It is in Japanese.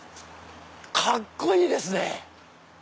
かっこいいですね！